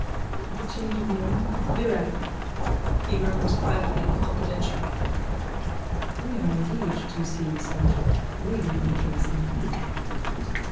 The change of name. Virag. (He murmurs privately and confidentially.) We are engaged you see, sergeant. Lady in the case. Love entanglement.